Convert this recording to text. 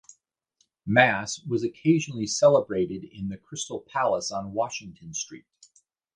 Mass was also occasionally celebrated in the Crystal Palace on Washington Street.